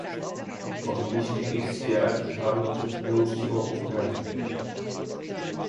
Powinniśmy ich wspierać i chronić przed nieuczciwą konkurencją